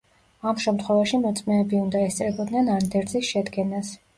ამ შემთხვევაში მოწმეები უნდა ესწრებოდნენ ანდერძის შედგენას.